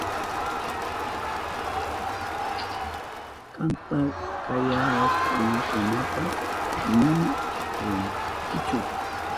Kanta kayashpankunapas nima rinkichu.